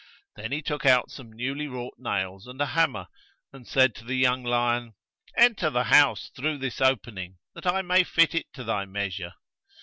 Then he took out some newly wrought nails and a hammer and said to the young lion, 'Enter the house through this opening, that I may fit it to thy measure.'